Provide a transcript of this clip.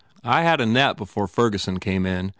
I had a nap before Ferguson came in.